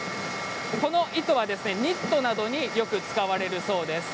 この糸はニットなどによく使われるそうです。